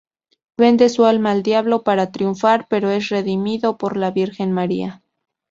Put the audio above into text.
Vende su alma al diablo para triunfar, pero es redimido por la Virgen María.